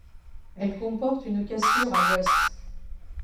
Elle comporte une cassure à l'ouest.